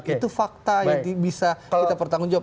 itu fakta yang bisa kita pertanggung jawab